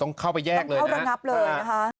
ต้องเข้าไปแยกเลยนะฮะ